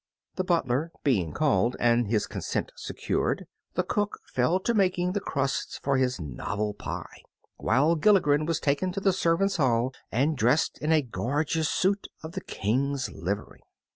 The butler being called, and his consent secured, the cook fell to making the crusts for his novel pie, while Gilligren was taken to the servants' hall and dressed in a gorgeous suit of the King's livery.